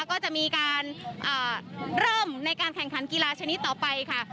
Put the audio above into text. ก็จะมีการเริ่มในการแข่งขันกีฬาชนิดต่อไปค่ะ